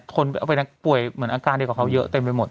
คนเอาไปนักป่วยเหมือนอาการเดียวกับเขาเยอะเต็มไปหมด